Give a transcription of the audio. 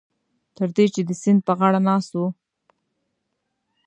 تر دې چې د سیند په غاړه ناست وو.